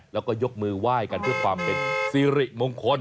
แล้วก็ยกมือไหว้กันเพื่อความเป็นสิริมงคล